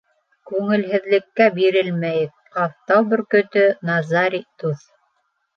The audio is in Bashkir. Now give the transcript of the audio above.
Күңелһеҙлеккә бирелмәйек, Ҡафтау бөркөтө Назари дуҫ.